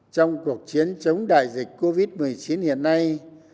trong cuộc chiến chống đại dịch covid một mươi chín hiện nay